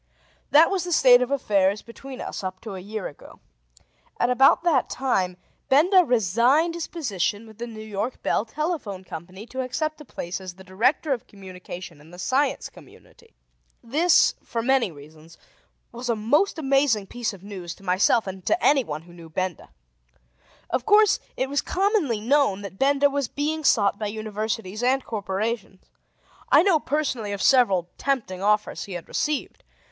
That was the state of affairs between us up to a year ago. At about that time Benda resigned his position with the New York Bell Telephone Company to accept a place as the Director of Communication in the Science Community. This, for many reasons, was a most amazing piece of news to myself and to anyone who knew Benda. Of course, it was commonly known that Benda was being sought by Universities and corporations: I know personally of several tempting offers he had received.